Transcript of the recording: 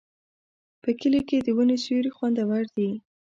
په کلي کې د ونو سیوري خوندور دي.